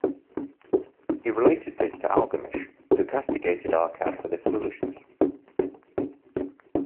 He related this to Algamish, who castigated Arkad for this foolishness.